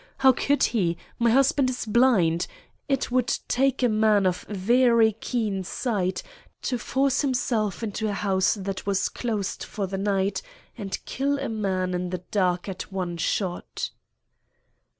How could he? My husband is blind. It would take a man of very keen sight to force himself into a house that was closed for the night, and kill a man in the dark at one shot."